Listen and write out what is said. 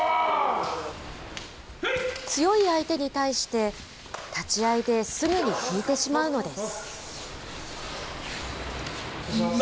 強い相手に対して、立ち合いですぐに引いてしまうのです。